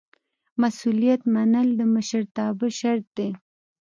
مسؤلیت منل د مشرتابه شرط دی.